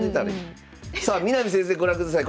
さあ南先生ご覧ください。